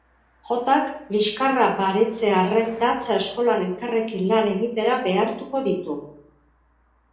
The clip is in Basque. Jotak liskarra baretzearren dantza eskolan elkarrekin lan egitera behartuko ditu.